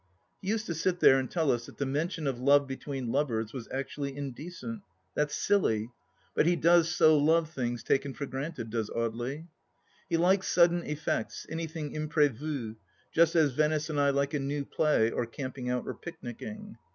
... He used to sit there and tell us that the mention of love between lovers was actually indecent. That's silly. But he does so love things taken for granted, does Audely 1 He likes sudden effects, anything imprivu, just as Venice and I like a new play or camping out or picnicking.